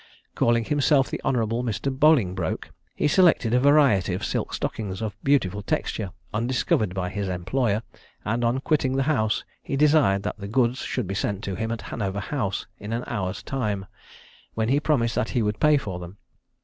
Calling himself the Hon. Mr. Bolingbroke, he selected a variety of silk stockings of beautiful texture, undiscovered by his employer, and on quitting the house, he desired that the goods should be sent to him at Hanover House in an hour's time, when he promised that he would pay for them.